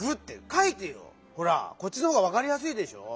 ほらこっちのほうがわかりやすいでしょ？